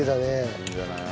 いいんじゃない？